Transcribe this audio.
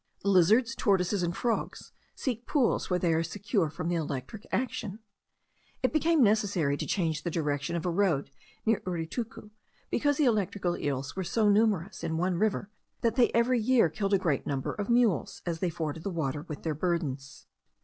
Lizards, tortoises, and frogs, seek pools where they are secure from the electric action. It became necessary to change the direction of a road near Uritucu, because the electric eels were so numerous in one river, that they every year killed a great number of mules, as they forded the water with their burdens.